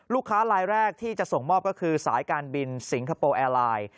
ลูกค้าลายแรกที่จะส่งมอบก็คือสายการบินสิงคโปร์แอร์ไลน์